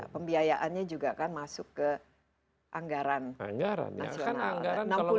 pembiayaannya juga kan masuk ke anggaran nasional